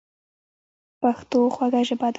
پښتو خوږه ژبه ده.